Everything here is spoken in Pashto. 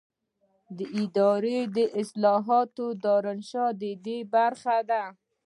د اداري اصلاحاتو دارالانشا ددې برخه ده.